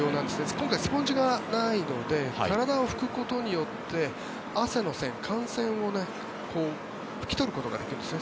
今回、スポンジがないので体を拭くことによって汗の線、汗腺を拭き取ることができるんですね。